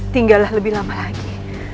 tinggallah lebih lama lagi